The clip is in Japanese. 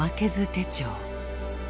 手帳。